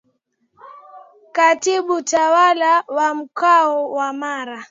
Katibu Tawala wa Mkoa wa Mara